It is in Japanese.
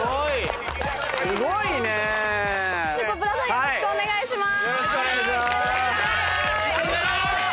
よろしくお願いします！